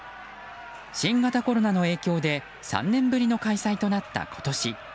新型コロナの影響で３年ぶりの開催となった今年。